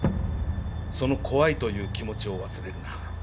その怖いという気持ちを忘れるな。